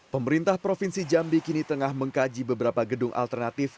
pemerintah provinsi jambi kini tengah mengkaji beberapa gedung alternatif